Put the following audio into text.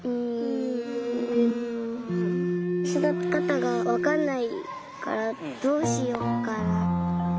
そだてかたがわかんないからどうしようかな。